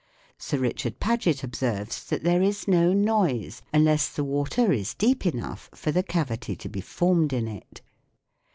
Sir Richard Paget observes that there is no noise unless the water is deep enough for the cavity to be formed in it.